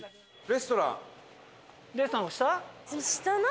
レストラン。